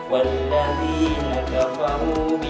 wadadi nagapahu bimbal